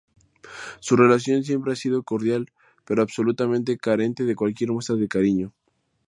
Su relación siempre ha sido cordial pero absolutamente carente de cualquier muestra de cariño.